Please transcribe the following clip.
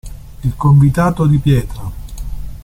Il convitato di pietra